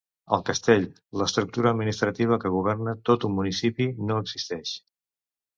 El castell, l’estructura administrativa que governa tot un municipi, no existeix.